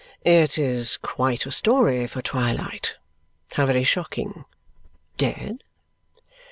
"It is quite a story for twilight. How very shocking! Dead?"